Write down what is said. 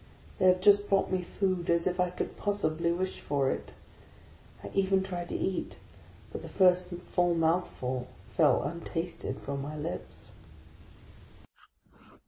They have just brought me food, as if I could possibly wish for it! I even tried to eat, but the first mouthful fell untasted from my lips.